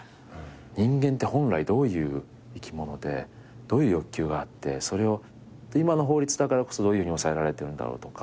人間って本来どういう生き物でどういう欲求があってそれを今の法律だからこそどういうふうに抑えられてるんだろうとか。